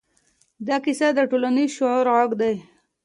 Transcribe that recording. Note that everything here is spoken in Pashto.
دا کیسه د ټولنیز شعور غږ دی.